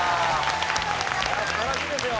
素晴らしいですよ。